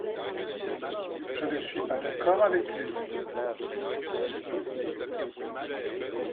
je ne suis pas d'accord avec lui.